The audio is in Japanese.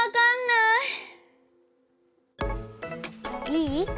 いい？